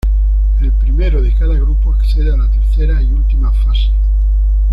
El primero de cada grupo accede a la tercera y última fase.